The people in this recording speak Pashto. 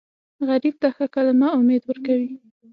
غریب ته ښه کلمه امید ورکوي